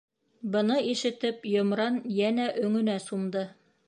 Быны ишетеп, Йомран йәнә өңөнә сумды.